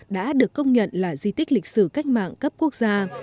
đã được công nhận là di tích lịch sử cách mạng cấp quốc gia